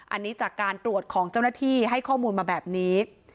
อันนี้จากการตรวจของเจ้าหน้าที่ให้ข้อมูลมาแบบนี้